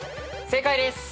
正解です。